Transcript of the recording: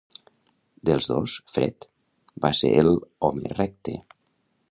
Dels dos, fred va ser el "home recte".